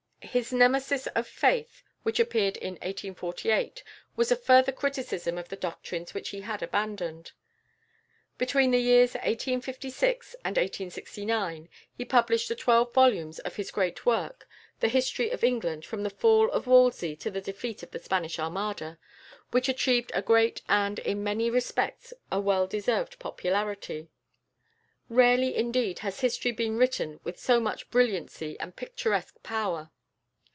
His "Nemesis of Faith," which appeared in 1848, was a further criticism of the doctrines which he had abandoned. Between the years 1856 and 1869 he published the twelve volumes of his great work, "The History of England, from the Fall of Wolsey to the Defeat of the Spanish Armada," which achieved a great and, in many respects, a well deserved popularity. Rarely indeed has history been written with so much brilliancy and picturesque power.